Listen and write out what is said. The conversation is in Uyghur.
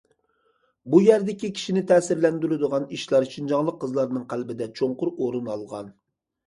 بۇ يەردىكى كىشىنى تەسىرلەندۈرىدىغان ئىشلار شىنجاڭلىق قىزلارنىڭ قەلبىدە چوڭقۇر ئورۇن ئالغان.